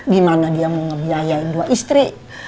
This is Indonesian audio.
gimana dia mau ngebiayain dua istri